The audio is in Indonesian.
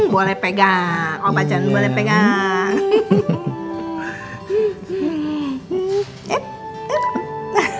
boleh pegang obat jangan boleh pegang